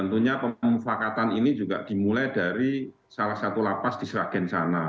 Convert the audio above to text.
tentunya pemufakatan ini juga dimulai dari salah satu lapas di sragen sana